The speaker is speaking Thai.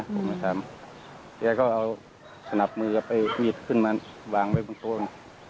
ผมถามแจก็เอาสนับมือกับมีดขึ้นมาวางไว้ประตูน